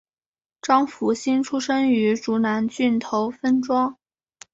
张福兴出生于竹南郡头分庄。